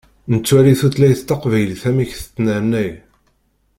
Nettwali tutlayt taqbaylit amek i tettnernay.